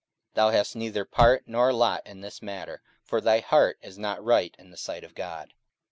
44:008:021 Thou hast neither part nor lot in this matter: for thy heart is not right in the sight of God.